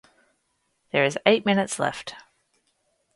There is eight minutes left.